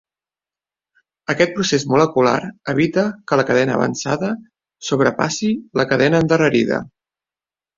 Aquest procés molecular evita que la cadena avançada sobrepassi la cadena endarrerida.